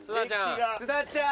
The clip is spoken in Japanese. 須田ちゃん。